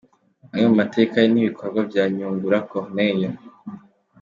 Amwe mu mateka n’ibikorwa bya Nyungura Corneille.